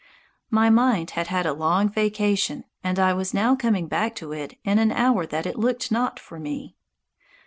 My mind had had a long vacation, and I was now coming back to it in an hour that it looked not for me.